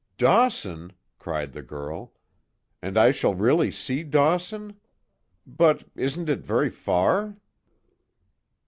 "Dawson!" cried the girl, "And I shall really see Dawson? But, isn't it very far?"